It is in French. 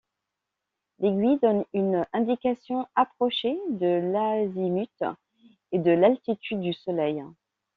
L'aiguille donne une indication approchée de l'azimut et de l'altitude du soleil.